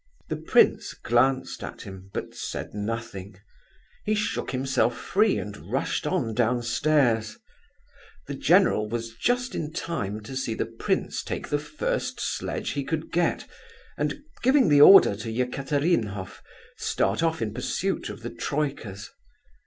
The prince glanced at him, but said nothing. He shook himself free, and rushed on downstairs. The general was just in time to see the prince take the first sledge he could get, and, giving the order to Ekaterinhof, start off in pursuit of the troikas.